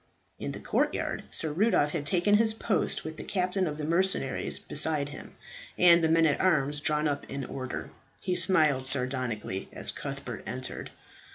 In the courtyard Sir Rudolph had taken his post, with the captain of the mercenaries beside him, and the men at arms drawn up in order. He smiled sardonically as Cuthbert entered.